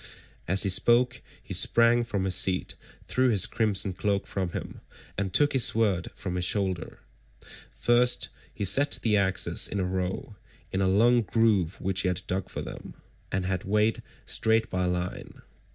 As he spoke he sprang from his seat, threw his crimson cloak from him, and took his sword from his shoulder. First he set the axes in a row, in a long groove which he had dug for them, and had made straight by line.